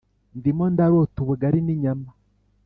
ndimo ndarota ubugari n'inyama